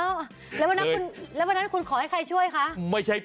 แล้ววันนั้นคุณขอให้ใครช่วยคะ